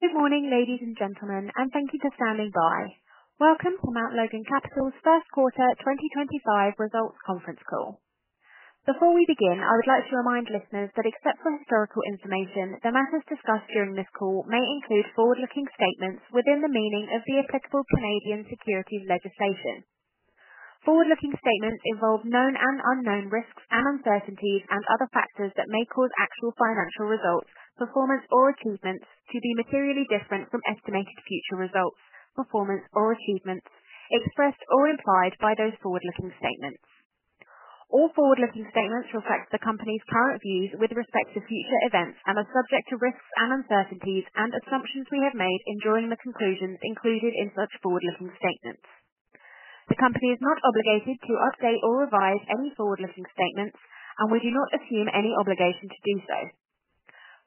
Good morning, ladies and gentlemen, and thank you for standing by. Welcome to Mount Logan Capital's first quarter 2025 results conference call. Before we begin, I would like to remind listeners that, except for historical information, the matters discussed during this call may include forward-looking statements within the meaning of the applicable Canadian securities legislation. Forward-looking statements involve known and unknown risks and uncertainties and other factors that may cause actual financial results, performance, or achievements to be materially different from estimated future results, performance, or achievements expressed or implied by those forward-looking statements. All forward-looking statements reflect the company's current views with respect to future events and are subject to risks and uncertainties and assumptions we have made in drawing the conclusions included in such forward-looking statements. The company is not obligated to update or revise any forward-looking statements, and we do not assume any obligation to do so.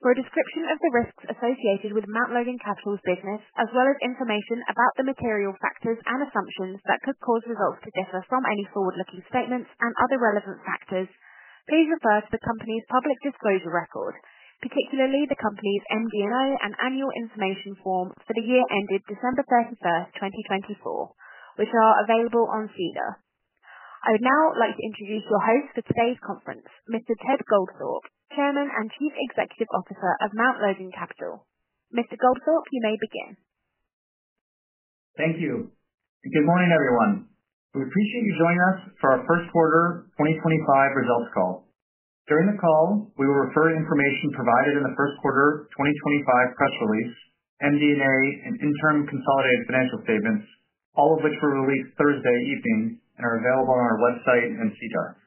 For a description of the risks associated with Mount Logan Capital's business, as well as information about the material factors and assumptions that could cause results to differ from any forward-looking statements and other relevant factors, please refer to the company's public disclosure record, particularly the company's MD&A and annual information form for the year ended December 31, 2024, which are available on SEDAR. I would now like to introduce your host for today's conference, Mr. Ted Goldthorpe, Chairman and Chief Executive Officer of Mount Logan Capital. Mr. Goldthorpe, you may begin. Thank you. Good morning, everyone. We appreciate you joining us for our first quarter 2025 results call. During the call, we will refer to information provided in the first quarter 2025 press release, MD&A, and interim consolidated financial statements, all of which were released Thursday evening and are available on our website and SEDAR.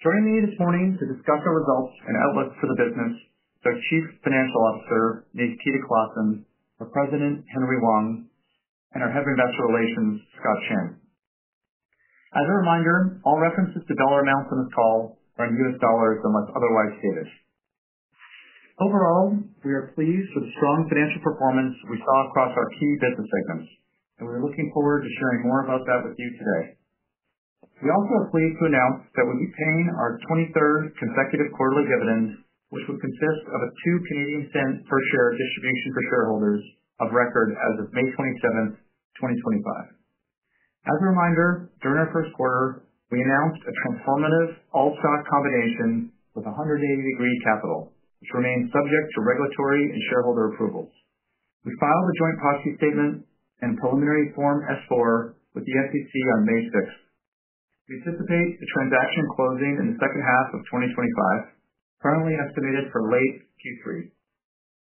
Joining me this morning to discuss the results and outlook for the business are Chief Financial Officer Nikita Klassen, our President Henry Wang, and our Head of Investor Relations, Scott Chan. As a reminder, all references to dollar amounts in this call are in U.S. dollars unless otherwise stated. Overall, we are pleased with the strong financial performance we saw across our key business segments, and we are looking forward to sharing more about that with you today. We also are pleased to announce that we'll be paying our 23rd consecutive quarterly dividend, which would consist of a 0.02 per share distribution for shareholders of record as of May 27th, 2025. As a reminder, during our first quarter, we announced a transformative all-stock combination with 180 Degree Capital Corp., which remains subject to regulatory and shareholder approvals. We filed a joint proxy statement and preliminary Form S-4 with the SEC on May 6th. We anticipate the transaction closing in the second half of 2025, currently estimated for late Q3.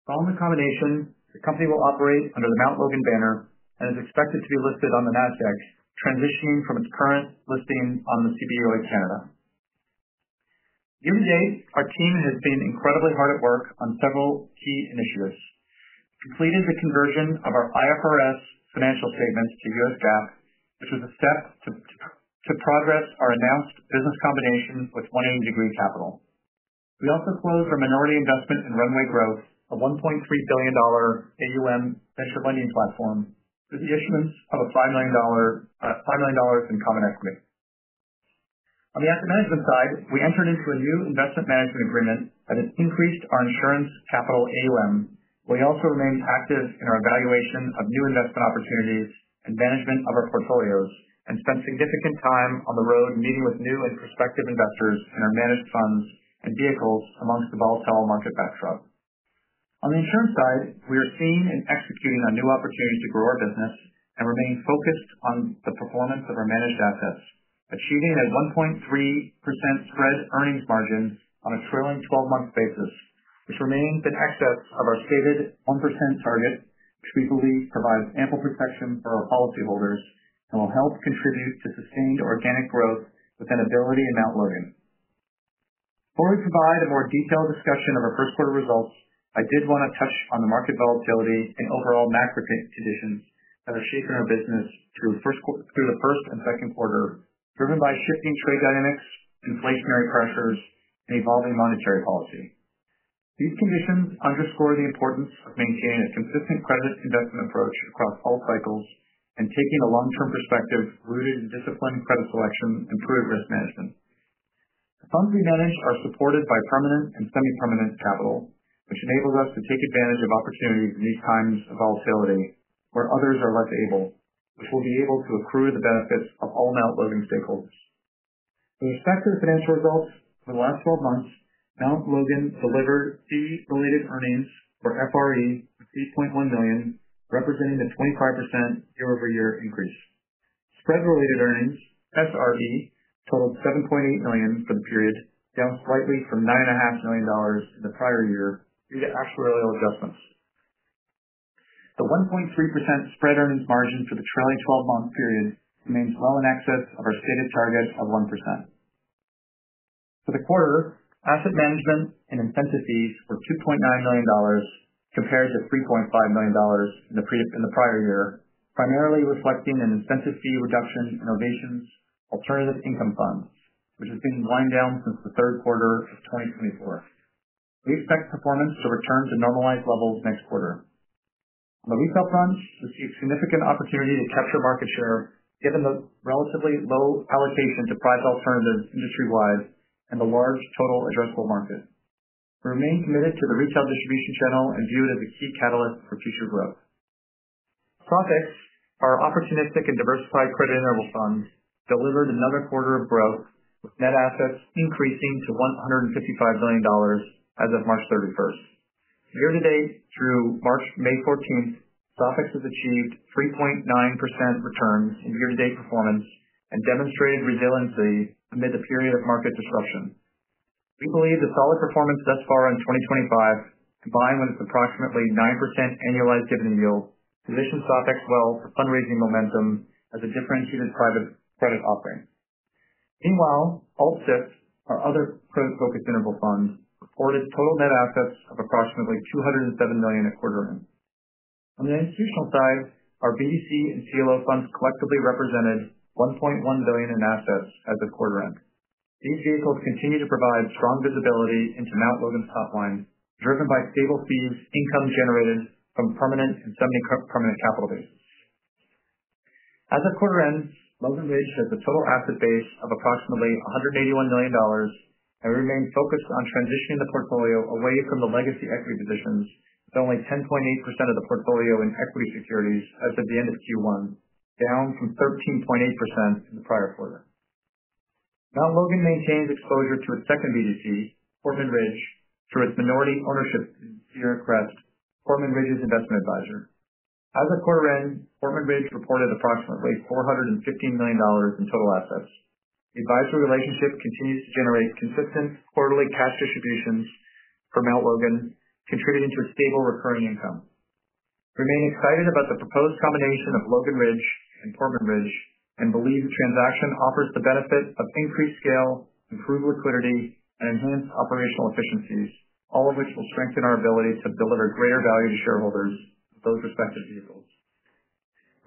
Following the combination, the company will operate under the Mount Logan banner and is expected to be listed on the NASDAQ, transitioning from its current listing on the CBO in Canada. Year to date, our team has been incredibly hard at work on several key initiatives. We completed the conversion of our IFRS financial statements to U.S. GAAP, which was a step to progress our announced business combination with 180 Degree Capital. We also closed our minority investment in Runway Growth, a $1.3 billion AUM venture lending platform, through the issuance of $5 million in common equity. On the asset management side, we entered into a new investment management agreement that has increased our insurance capital AUM. We also remained active in our evaluation of new investment opportunities and management of our portfolios and spent significant time on the road meeting with new and prospective investors in our managed funds and vehicles amongst the volatile market backdrop. On the insurance side, we are seeing and executing on new opportunities to grow our business and remaining focused on the performance of our managed assets, achieving a 1.3% spread earnings margin on a trailing 12-month basis, which remains in excess of our stated 1% target, which we believe provides ample protection for our policyholders and will help contribute to sustained organic growth within Ability and Mount Logan. Before we provide a more detailed discussion of our first quarter results, I did want to touch on the market volatility and overall macro conditions that are shaping our business through the first and second quarter, driven by shifting trade dynamics, inflationary pressures, and evolving monetary policy. These conditions underscore the importance of maintaining a consistent credit investment approach across all cycles and taking a long-term perspective rooted in disciplined credit selection and prudent risk management. The funds we manage are supported by permanent and semi-permanent capital, which enables us to take advantage of opportunities in these times of volatility where others are less able, which will be able to accrue the benefits of all Mount Logan stakeholders. With respect to the financial results for the last 12 months, Mount Logan delivered fee-related earnings, or FRE, of $8.1 million, representing a 25% year-over-year increase. Spread-related earnings, SRE, totaled $7.8 million for the period, down slightly from $9.5 million in the prior year due to actuarial adjustments. The 1.3% spread earnings margin for the trailing 12-month period remains well in excess of our stated target of 1%. For the quarter, asset management and incentive fees were $2.9 million compared to $3.5 million in the prior year, primarily reflecting an incentive fee reduction in Ovation's Alternative Income Fund, which has been wind down since the third quarter of 2024. We expect performance to return to normalized levels next quarter. On the retail front, we see a significant opportunity to capture market share given the relatively low allocation to prized alternatives industry-wide and the large total addressable market. We remain committed to the retail distribution channel and view it as a key catalyst for future growth. SOFIX, our opportunistic and diversified credit interval fund, delivered another quarter of growth, with net assets increasing to $155 million as of March 31st. Year to date, through May 14th, SOFIX has achieved 3.9% returns in year-to-date performance and demonstrated resiliency amid the period of market disruption. We believe the solid performance thus far in 2025, combined with its approximately 9% annualized dividend yield, positions SOFIX well for fundraising momentum as a differentiated private credit offering. Meanwhile, AltCIF, our other credit-focused interval fund, reported total net assets of approximately $207 million at quarter end. On the institutional side, our BDC and CLO funds collectively represented $1.1 billion in assets as of quarter end. These vehicles continue to provide strong visibility into Mount Logan's top line, driven by stable fees income generated from permanent and semi-permanent capital bases. As of quarter end, Logan Ridge has a total asset base of approximately $181 million and remains focused on transitioning the portfolio away from the legacy equity positions, with only 10.8% of the portfolio in equity securities as of the end of Q1, down from 13.8% in the prior quarter. Mount Logan maintains exposure to its second BDC, Portman Ridge, through its minority ownership in Sierra Crest, Portman Ridge's investment advisor. As of quarter end, Portman Ridge reported approximately $450 million in total assets. The advisory relationship continues to generate consistent quarterly cash distributions for Mount Logan, contributing to a stable recurring income. We remain excited about the proposed combination of Logan Ridge and Portman Ridge and believe the transaction offers the benefit of increased scale, improved liquidity, and enhanced operational efficiencies, all of which will strengthen our ability to deliver greater value to shareholders of those respective vehicles.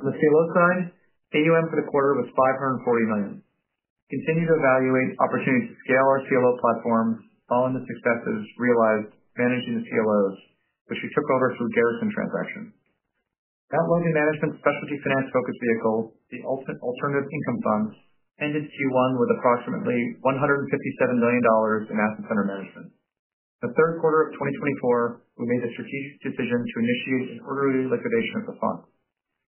On the CLO side, AUM for the quarter was $540 million. We continue to evaluate opportunities to scale our CLO platform following the successes realized managing the CLOs, which we took over through the Garrison transaction. Mount Logan Management's specialty finance-focused vehicle, the Alternative Income Fund, ended Q1 with approximately $157 million in assets under management. In the third quarter of 2024, we made the strategic decision to initiate an orderly liquidation of the fund.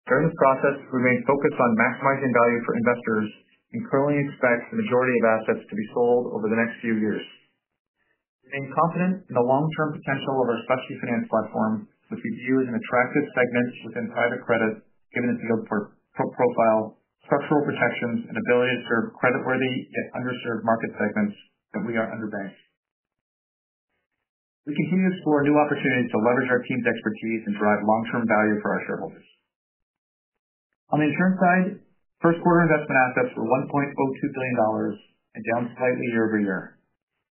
During this process, we remained focused on maximizing value for investors and currently expect the majority of assets to be sold over the next few years. We remain confident in the long-term potential of our specialty finance platform, which we view as an attractive segment within private credit, given its yield profile, structural protections, and ability to serve credit-worthy yet underserved market segments that are underbanked. We continue to explore new opportunities to leverage our team's expertise and drive long-term value for our shareholders. On the insurance side, first quarter investment assets were $1.02 billion and down slightly year-over-year.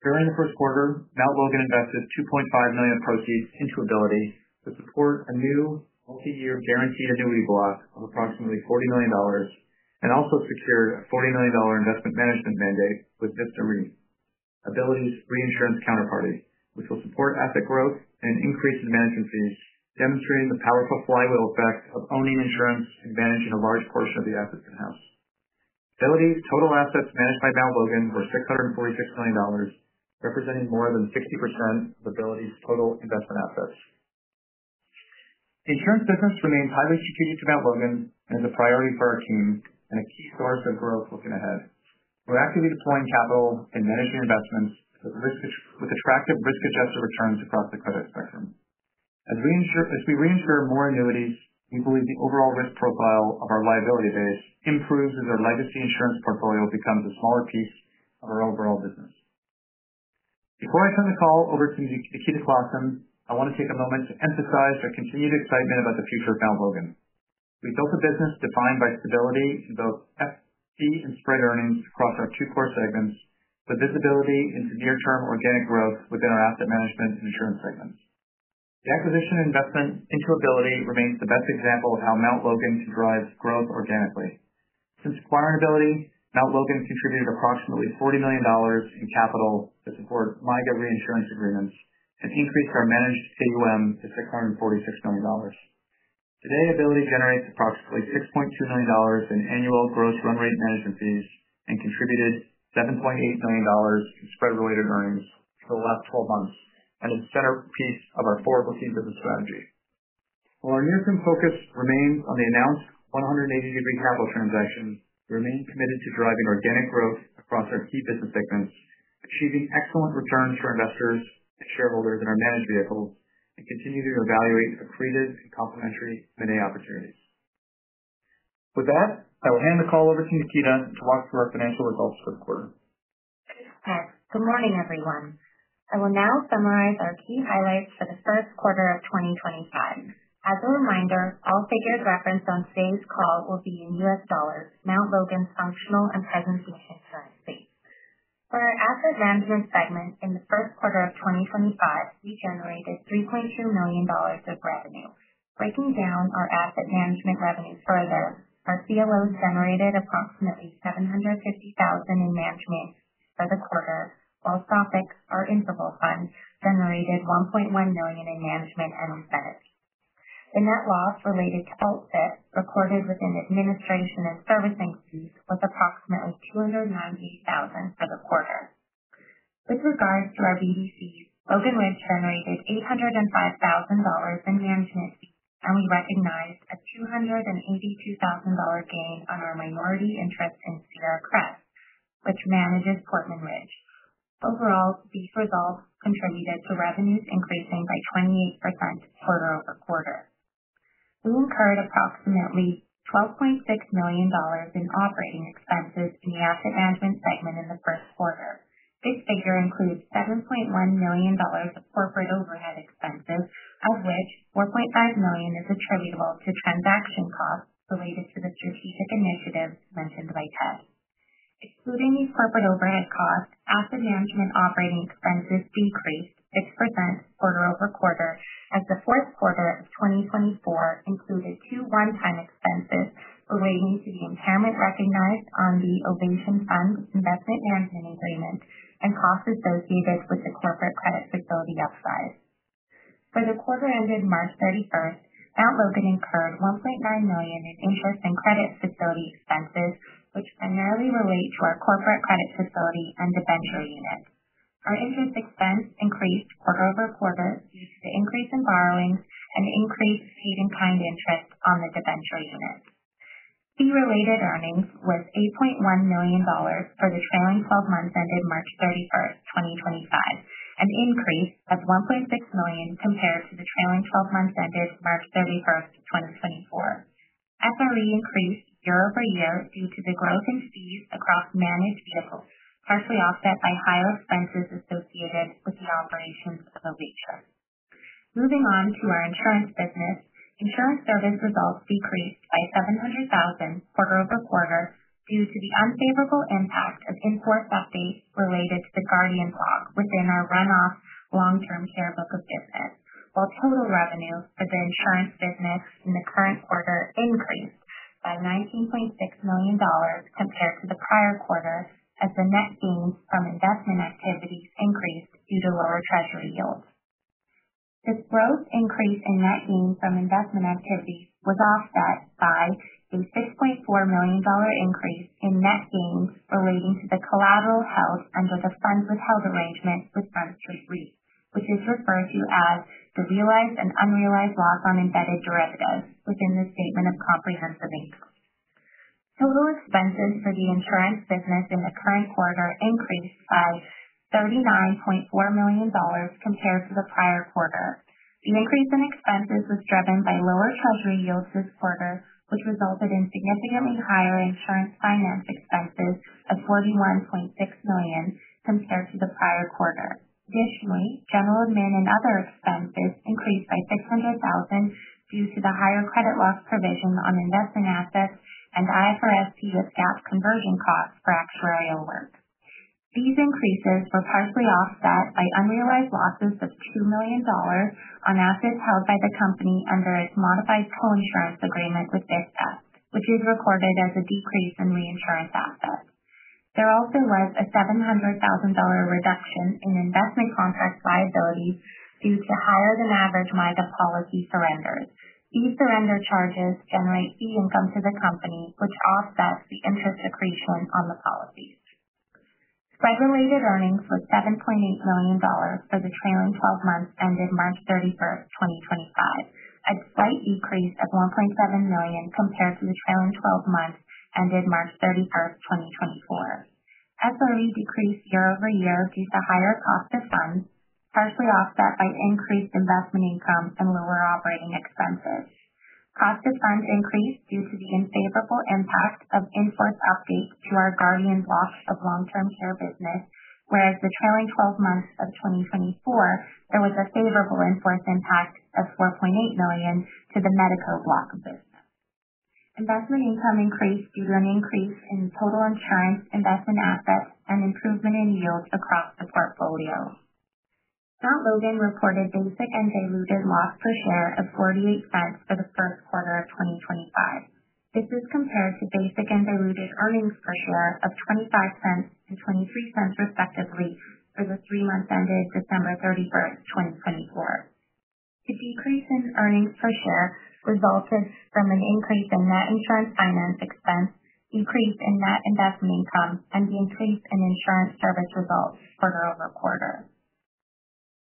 During the first quarter, Mount Logan invested $2.5 million proceeds into Ability to support a new multi-year guaranteed annuity block of approximately $40 million and also secured a $40 million investment management mandate with Vista Re, Ability's reinsurance counterparty, which will support asset growth and increase in management fees, demonstrating the powerful flywheel effect of owning insurance and managing a large portion of the assets in-house. Ability's total assets managed by Mount Logan were $646 million, representing more than 60% of Ability's total investment assets. The insurance business remains highly strategic to Mount Logan and is a priority for our team and a key source of growth looking ahead. We're actively deploying capital and managing investments with attractive risk-adjusted returns across the credit spectrum. As we reinsure more annuities, we believe the overall risk profile of our liability base improves as our legacy insurance portfolio becomes a smaller piece of our overall business. Before I turn the call over to Nikita Klassen, I want to take a moment to emphasize our continued excitement about the future of Mount Logan. We built a business defined by stability in both fee and spread earnings across our two core segments, with visibility into near-term organic growth within our asset management and insurance segments. The acquisition and investment into Ability remains the best example of how Mount Logan can drive growth organically. Since acquiring Ability, Mount Logan contributed approximately $40 million in capital to support MYGA reinsurance agreements and increased our managed AUM to $646 million. Today, Ability generates approximately $6.2 million in annual gross run rate management fees and contributed $7.8 million in spread-related earnings for the last 12 months and is a centerpiece of our four-booking business strategy. While our near-term focus remains on the announced 180 Degree Capital transaction, we remain committed to driving organic growth across our key business segments, achieving excellent returns for investors and shareholders in our managed vehicles, and continuing to evaluate accretive and complementary M&A opportunities. With that, I will hand the call over to Nikita to walk through our financial results for the quarter. Good morning, everyone. I will now summarize our key highlights for the first quarter of 2025. As a reminder, all figures referenced on today's call will be in U.S. dollars, Mount Logan's functional and presentation currency. For our asset management segment in the first quarter of 2025, we generated $3.2 million of revenue. Breaking down our asset management revenue further, our CLOs generated approximately $750,000 in management for the quarter, while SOFIX, our interval fund, generated $1.1 million in management and incentives. The net loss related to AltCIF recorded within administration and servicing fees was approximately $290,000 for the quarter. With regards to our BDCs, Logan Ridge generated $805,000 in management fees, and we recognized a $282,000 gain on our minority interest in Sierra Crest, which manages Portman Ridge. Overall, these results contributed to revenues increasing by 28% quarter over quarter. We incurred approximately $12.6 million in operating expenses in the asset management segment in the first quarter. This figure includes $7.1 million of corporate overhead expenses, of which $4.5 million is attributable to transaction costs related to the strategic initiative mentioned by Ted. Excluding these corporate overhead costs, asset management operating expenses decreased 6% quarter over quarter as the fourth quarter of 2024 included two one-time expenses relating to the impairment recognized on the Ovation's fund investment management agreement and costs associated with the corporate credit facility upside. For the quarter ended March 31, Mount Logan incurred $1.9 million in interest and credit facility expenses, which primarily relate to our corporate credit facility and debenture unit. Our interest expense increased quarter over quarter due to the increase in borrowings and increased paid-in-kind interest on the debenture unit. Fee-related earnings was $8.1 million for the trailing 12 months ended March 31, 2025, an increase of $1.6 million compared to the trailing 12 months ended March 31, 2024. SRE increased year-over-year due to the growth in fees across managed vehicles, partially offset by higher expenses associated with the operations of a retailer. Moving on to our insurance business, insurance service results decreased by $700,000 quarter over quarter due to the unfavorable impact of in-force updates related to the Guardian block within our run-off long-term care book of business, while total revenues for the insurance business in the current quarter increased by $19.6 million compared to the prior quarter as the net gains from investment activities increased due to lower treasury yields. This growth increase in net gains from investment activities was offset by a $6.4 million increase in net gains relating to the collateral held under the funds withheld arrangement with Front Street Re, which is referred to as the realized and unrealized loss on embedded derivatives within the statement of comprehensive income. Total expenses for the insurance business in the current quarter increased by $39.4 million compared to the prior quarter. The increase in expenses was driven by lower treasury yields this quarter, which resulted in significantly higher insurance finance expenses of $41.6 million compared to the prior quarter. Additionally, general admin and other expenses increased by $600,000 due to the higher credit loss provision on investment assets and IFRS U.S. GAAP conversion costs for actuarial work. These increases were partially offset by unrealized losses of $2 million on assets held by the company under its modified coinsurance agreement with Vista, which is recorded as a decrease in reinsurance assets. There also was a $700,000 reduction in investment contract liabilities due to higher-than-average MYGA policy surrenders. These surrender charges generate fee income to the company, which offsets the interest accretion on the policies. Spread-related earnings was $7.8 million for the trailing 12 months ended March 31, 2025, a slight decrease of $1.7 million compared to the trailing 12 months ended March 31, 2024. SRE decreased year-over-year due to higher cost of funds, partially offset by increased investment income and lower operating expenses. Cost of funds increased due to the unfavorable impact of in-force updates to our Guardian block of long-term care business, whereas the trailing 12 months of 2024, there was a favorable in-force impact of $4.8 million to the Medico block of business. Investment income increased due to an increase in total insurance investment assets and improvement in yields across the portfolio. Mount Logan reported basic and diluted loss per share of $0.48 for the first quarter of 2025. This is compared to basic and diluted earnings per share of $0.25 and $0.23 respectively for the three months ended December 31, 2024. The decrease in earnings per share resulted from an increase in net insurance finance expense, decrease in net investment income, and the increase in insurance service results quarter over quarter.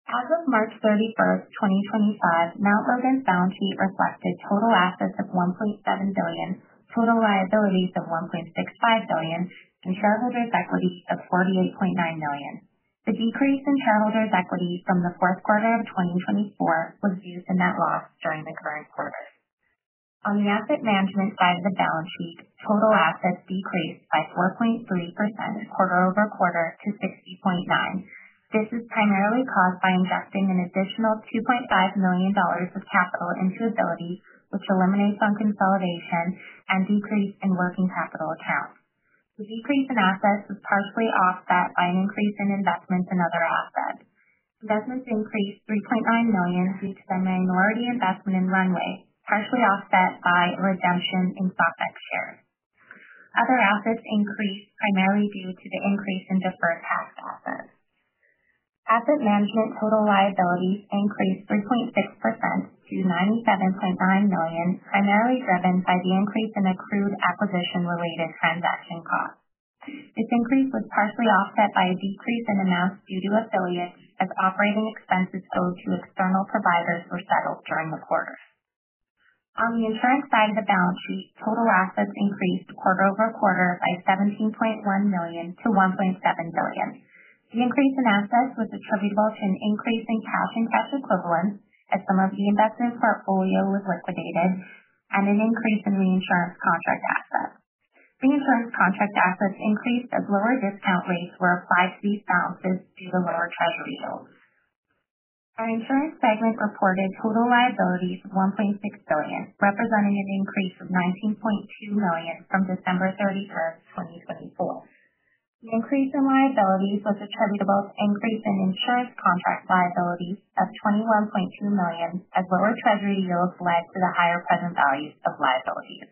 As of March 31, 2025, Mount Logan's balance sheet reflected total assets of $1.7 billion, total liabilities of $1.65 billion, and shareholders' equity of $48.9 million. The decrease in shareholders' equity from the fourth quarter of 2024 was due to net loss during the current quarter. On the asset management side of the balance sheet, total assets decreased by 4.3% quarter over quarter to $60.9 million. This is primarily caused by injecting an additional $2.5 million of capital into Ability, which eliminates unconsolidation and decrease in working capital accounts. The decrease in assets was partially offset by an increase in investments in other assets. Investments increased $3.9 million due to the minority investment in Runway, partially offset by a redemption in SOFIX shares. Other assets increased primarily due to the increase in deferred tax assets. Asset management total liabilities increased 3.6% to $97.9 million, primarily driven by the increase in accrued acquisition-related transaction costs. This increase was partially offset by a decrease in amounts due to affiliates as operating expenses owed to external providers were settled during the quarter. On the insurance side of the balance sheet, total assets increased quarter over quarter by $17.1 million to $1.7 billion. The increase in assets was attributable to an increase in cash and cash equivalents as some of the investment portfolio was liquidated and an increase in reinsurance contract assets. Reinsurance contract assets increased as lower discount rates were applied to these balances due to lower treasury yields. Our insurance segment reported total liabilities of $1.6 billion, representing an increase of $19.2 million from December 31, 2024. The increase in liabilities was attributable to an increase in insurance contract liabilities of $21.2 million as lower treasury yields led to the higher present values of liabilities.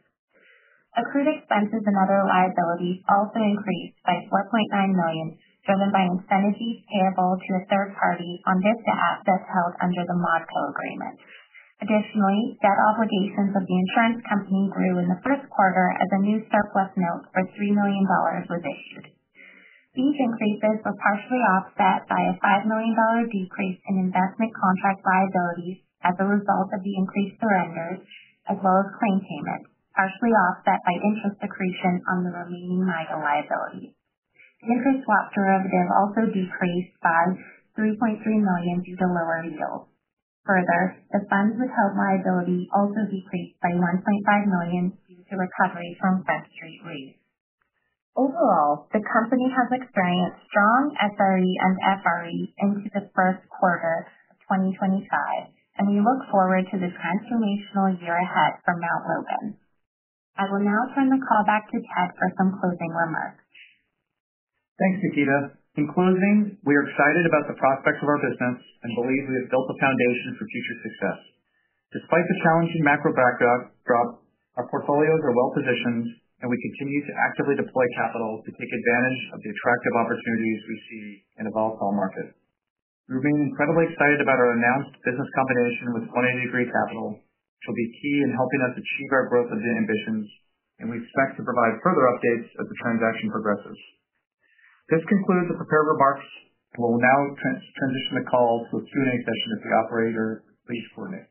Accrued expenses and other liabilities also increased by $4.9 million, driven by incentives payable to a third party on Vista assets held under the Modco agreement. Additionally, debt obligations of the insurance company grew in the first quarter as a new surplus note for $3 million was issued. These increases were partially offset by a $5 million decrease in investment contract liabilities as a result of the increased surrenders, as well as claim payments, partially offset by interest accretion on the remaining MYGA liabilities. The interest swap derivative also decreased by $3.3 million due to lower yields. Further, the funds withheld liability also decreased by $1.5 million due to recovery from Front Reef Re. Overall, the company has experienced strong SRE and FRE into the first quarter of 2025, and we look forward to the transformational year ahead for Mount Logan. I will now turn the call back to Ted for some closing remarks. Thanks, Nikita. In closing, we are excited about the prospects of our business and believe we have built a foundation for future success. Despite the challenging macro backdrop, our portfolios are well-positioned, and we continue to actively deploy capital to take advantage of the attractive opportunities we see in a volatile market. We remain incredibly excited about our announced business combination with 180 Degree Capital, which will be key in helping us achieve our growth of the ambitions, and we expect to provide further updates as the transaction progresses. This concludes the prepared remarks, and we'll now transition the call to a Q&A session if the operator completes coordinating.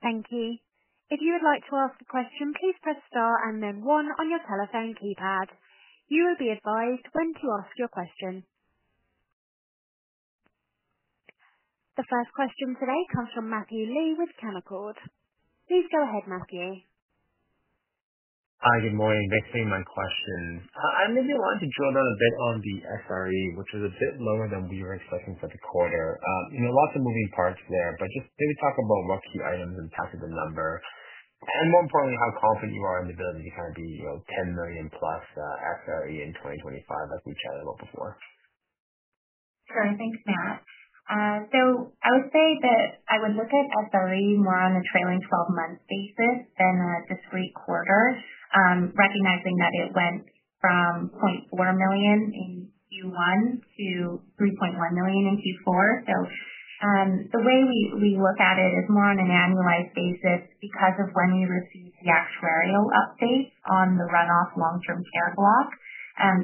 Thank you. If you would like to ask a question, please press star and then one on your telephone keypad. You will be advised when to ask your question. The first question today comes from Matthew Lee with Canaccord. Please go ahead, Matthew. Hi, good morning. Nice to hear my question. I maybe wanted to drill down a bit on the SRE, which was a bit lower than we were expecting for the quarter. You know, lots of moving parts there, but just maybe talk about what key items impacted the number, and more importantly, how confident you are in the ability to kind of be, you know, $10 million plus SRE in 2025, like we chatted about before. Sure, thanks, Matt. I would say that I would look at SRE more on a trailing 12-month basis than a discrete quarter, recognizing that it went from $0.4 million in Q1 to $3.1 million in Q4. The way we look at it is more on an annualized basis because of when we received the actuarial updates on the run-off long-term care block.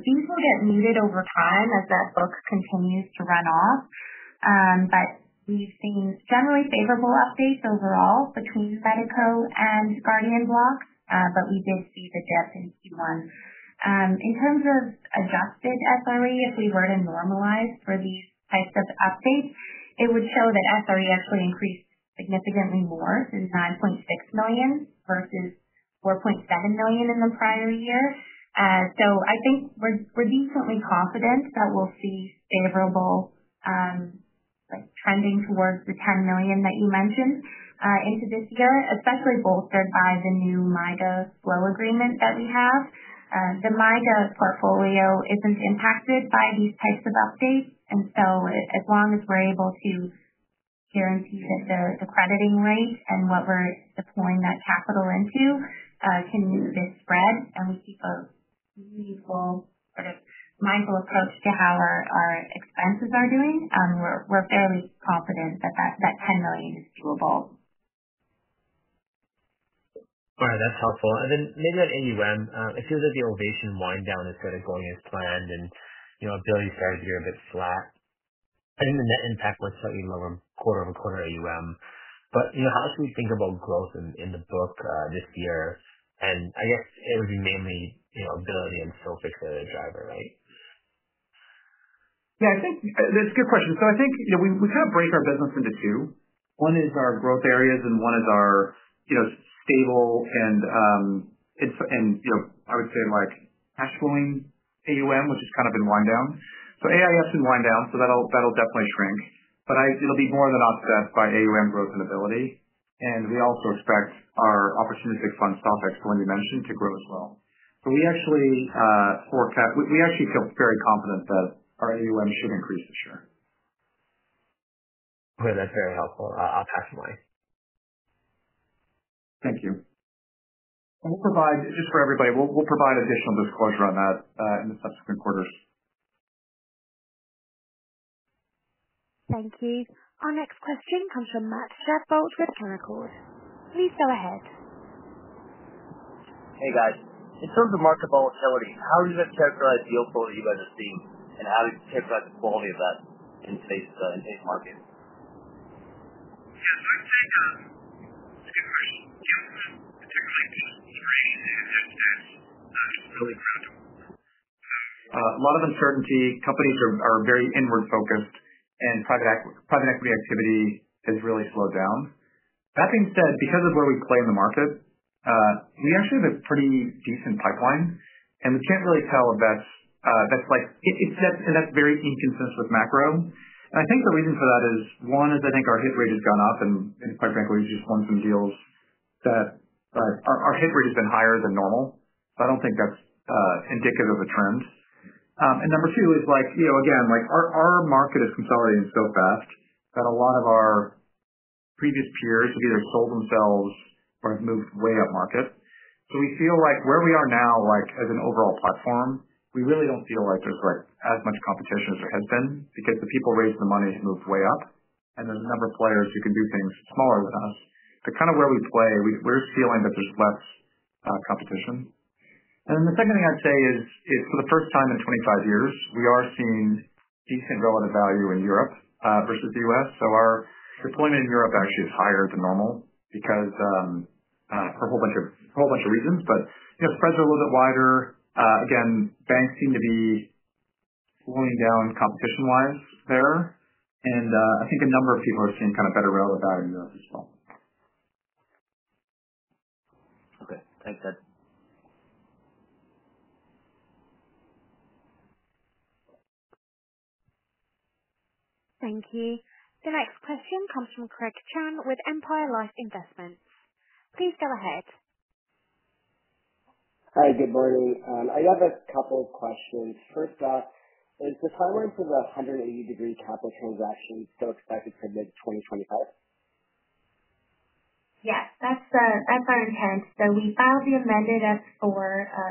These will get muted over time as that book continues to run off, but we've seen generally favorable updates overall between Medico and Guardian block, but we did see the dip in Q1. In terms of adjusted SRE, if we were to normalize for these types of updates, it would show that SRE actually increased significantly more to $9.6 million versus $4.7 million in the prior year. I think we're decently confident that we'll see favorable trending towards the $10 million that you mentioned into this year, especially bolstered by the new MYGA flow agreement that we have. The MYGA portfolio isn't impacted by these types of updates, and as long as we're able to guarantee that the crediting rate and what we're deploying that capital into can this spread, and we keep a meaningful sort of mindful approach to how our expenses are doing, we're fairly confident that that $10 million is doable. All right, that's helpful. Maybe on AUM, it feels like the Ovation wind down is going as planned, and, you know, Ability started to be a bit flat. I think the net impact was slightly lower quarter over quarter AUM, but, you know, how should we think about growth in the book this year? I guess it would be mainly, you know, Ability and still fixing the driver, right? Yeah, I think that's a good question. I think, you know, we kind of break our business into two. One is our growth areas, and one is our, you know, stable and, you know, I would say like cash flowing AUM, which has kind of been wind down. AIF's been wind down, so that'll definitely shrink, but it'll be more than offset by AUM growth in Ability. We also expect our opportunistic fund, SOFIX, the one you mentioned, to grow as well. We actually forecast, we actually feel very confident that our AUM should increase this year. Okay, that's very helpful. I'll pass the mic. Thank you. We'll provide, just for everybody, we'll provide additional disclosure on that in the subsequent quarters. Thank you. Our next question comes from Matt Shadbolt with Canaccord. Please go ahead. Hey, guys. In terms of market volatility, how do you guys characterize the yield flow that you guys are seeing, and how do you characterize the quality of that in today's market? Yeah, so I'd say, it's a good question. Yields in particular peaked straight into, that's really incredible. A lot of uncertainty, companies are very inward-focused, and private equity activity has really slowed down. That being said, because of where we play in the market, we actually have a pretty decent pipeline, and we can't really tell if that's like, it's that, and that's very inconsistent with macro. I think the reason for that is, one is I think our hit rate has gone up, and quite frankly, we just won some deals that our hit rate has been higher than normal. I do not think that is indicative of a trend. Number two is, you know, again, our market is consolidating so fast that a lot of our previous peers have either sold themselves or have moved way up market. We feel like where we are now, as an overall platform, we really do not feel like there is as much competition as there has been because the people raising the money have moved way up, and there are a number of players who can do things smaller than us. Kind of where we play, we are feeling that there is less competition. The second thing I'd say is, for the first time in 25 years, we are seeing decent relative value in Europe versus the U.S. Our deployment in Europe actually is higher than normal because, for a whole bunch of reasons, but, you know, spreads are a little bit wider. Again, banks seem to be cooling down competition-wise there, and I think a number of people are seeing kind of better relative value in Europe as well. Okay, thanks. Thank you. The next question comes from Greg Chan with Empire Life Investments. Please go ahead. Hi, good morning. I have a couple of questions. First off, is the timeline for the 180 Degree Capital transaction still expected for mid-2025? Yes, that's our intent. We filed the amended S-4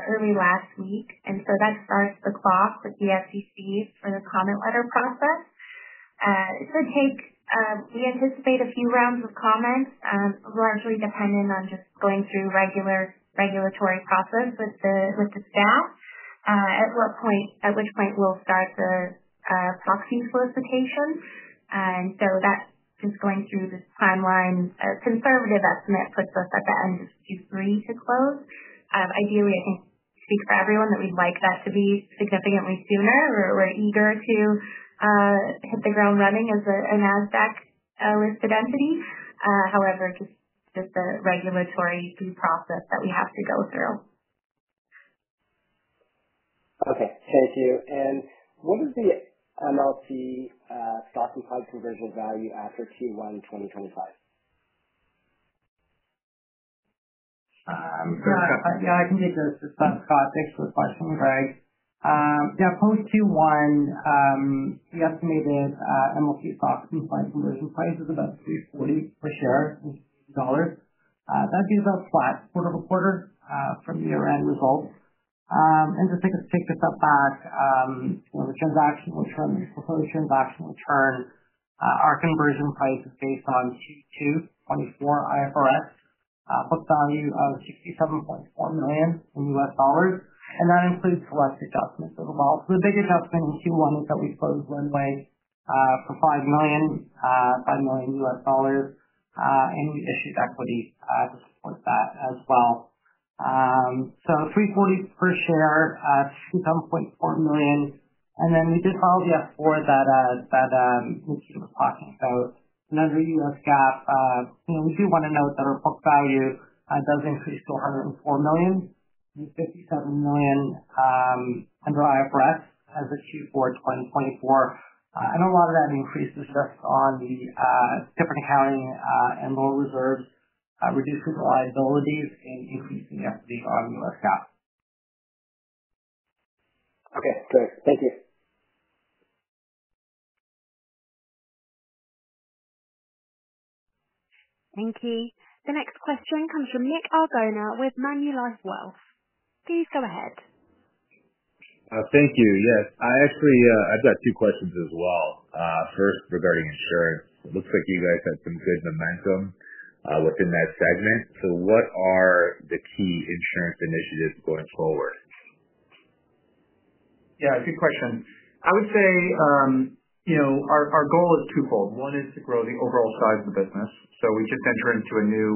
early last week, and that starts the clock with the SEC for the comment letter process. It should take, we anticipate, a few rounds of comments, largely dependent on just going through regular regulatory process with the staff at what point, at which point we'll start the proxy solicitation. That is just going through the timeline. A conservative estimate puts us at the end of Q3 to close. Ideally, I think, to speak for everyone, that we'd like that to be significantly sooner. We're eager to hit the ground running as a NASDAQ-listed entity. However, just the regulatory due process that we have to go through. Okay, thank you. What is the MLC stock implied conversion value after Q1 2025? Yeah, I can take this. It's Scott takes the question, Greg. Yeah, post Q1, the estimated MLC stock implied conversion price is about $3.40 per share in dollars. That would be about flat quarter over quarter from year-end results. Just to kind of take a step back, you know, the transactional return, the proposed transactional return, our conversion price is based on Q2 2024 IFRS book value of $67.4 million in U.S. dollars, and that includes select adjustments as well. The big adjustment in Q1 is that we closed Runway for $5 million, $5 million U.S. dollars, and we issued equity to support that as well. $3.40 per share, $67.4 million, and then we did file the S-4 that Nikita was talking about, and under U.S. GAAP, you know, we do want to note that our book value does increase to $104 million, $57 million under IFRS as of Q4 2024, and a lot of that increase is just on the different accounting and lower reserves, reducing the liabilities and increasing equity on U.S. GAAP. Okay, great. Thank you. Thank you. The next question comes from Nick Argona with Manulife Wealth. Please go ahead. Thank you. Yes, I actually, I've got two questions as well. First, regarding insurance, it looks like you guys had some good momentum within that segment. What are the key insurance initiatives going forward? Yeah, good question. I would say, you know, our goal is twofold. One is to grow the overall size of the business. We just entered into a new,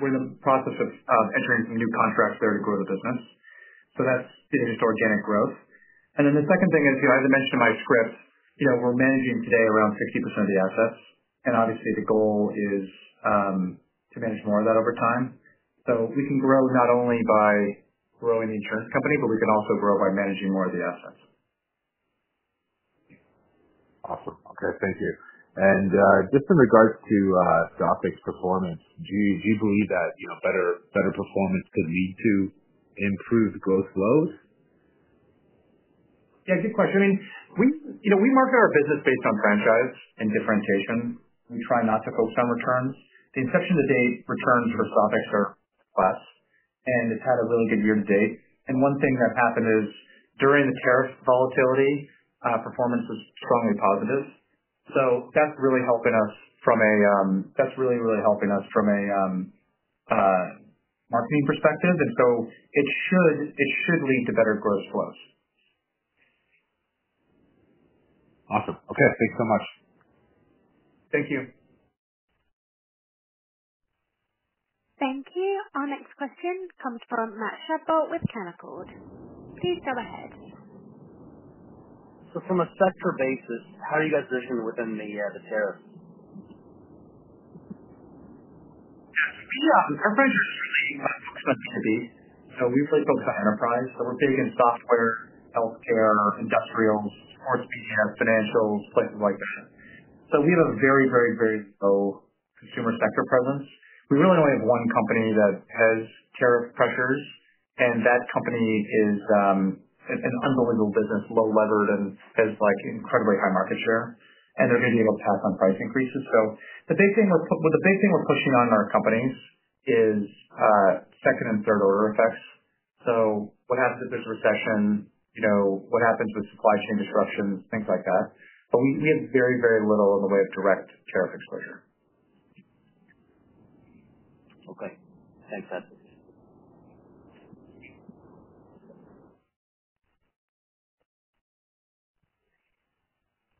we're in the process of entering some new contracts there to grow the business. That's just organic growth. The second thing is, you know, I had to mention in my script, you know, we're managing today around 60% of the assets, and obviously the goal is to manage more of that over time. We can grow not only by growing the insurance company, but we can also grow by managing more of the assets. Awesome. Okay, thank you. And just in regards to SOFIX performance, do you believe that, you know, better performance could lead to improved growth flows? Yeah, good question. I mean, we, you know, we market our business based on franchise and differentiation. We try not to focus on returns. The inception to date, returns for SOFIX are less, and it's had a really good year to date. One thing that's happened is during the tariff volatility, performance was strongly positive. That's really helping us from a, that's really, really helping us from a marketing perspective, and so it should lead to better growth flows. Awesome. Okay, thanks so much. Thank you. Thank you. Our next question comes from Matt Shadbolt with Canaccord. Please go ahead. From a sector basis, how are you guys positioned within the tariff? Yeah, our venture is really focused on B2B. We really focus on enterprise. We're big in software, healthcare, industrials, sports media, financials, places like that. We have a very, very, very low consumer sector presence. We really only have one company that has tariff pressures, and that company is an unbelievable business, low levered, and has incredibly high market share, and they're going to be able to pass on price increases. The big thing we're pushing on our companies is second and third order effects. What happens if there's a recession, you know, what happens with supply chain disruptions, things like that. We have very, very little in the way of direct tariff exposure. Okay, thanks.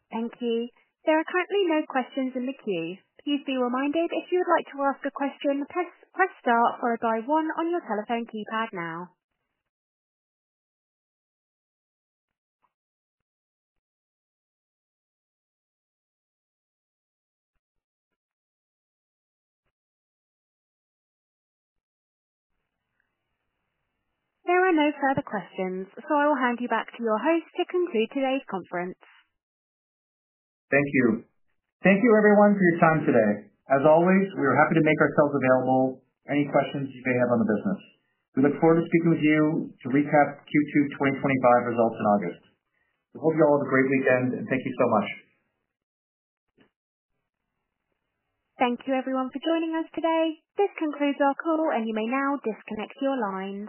Thank you. There are currently no questions in the queue. Please be reminded if you would like to ask a question, press star or dial one on your telephone keypad now. There are no further questions, so I will hand you back to your host to conclude today's conference. Thank you. Thank you, everyone, for your time today. As always, we are happy to make ourselves available for any questions you may have on the business. We look forward to speaking with you to recap Q2 2025 results in August. We hope you all have a great weekend, and thank you so much. Thank you, everyone, for joining us today. This concludes our call, and you may now disconnect your line.